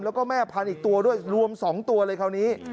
แล้วก็แม่พันธุ์อีกตัวด้วยรวม๒ตัวเลยคราวนี้